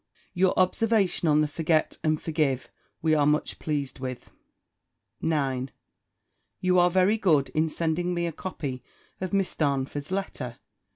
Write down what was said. Your observation on the forget and forgive we are much pleased with. 9. You are very good in sending me a copy of Miss Darnford's letter.